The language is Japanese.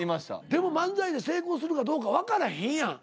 でも漫才で成功するかどうかわからへんやん。